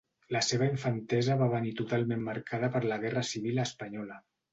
La seva infantesa va venir totalment marcada per la Guerra Civil Espanyola.